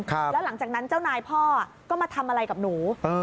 แล้วหลังจากนั้นเจ้านายพ่อก็มาทำอะไรกับหนู